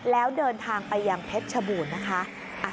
แล้วเดินทางไปยังเพชรชบูรณ์นะคะ